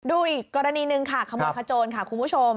ดูอีกกรณีหนึ่งค่ะขโมยขโจรค่ะคุณผู้ชม